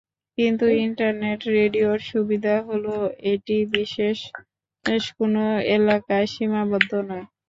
কিন্তু ইন্টারনেট রেডিওর সুবিধা হলো এটি বিশেষ কোনো এলাকায় সীমাবদ্ধ নয়।